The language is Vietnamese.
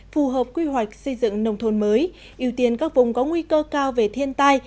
phù hợp quy hoạch xây dựng nông thôn mới ưu tiên các vùng có nguy cơ cao về thiên tai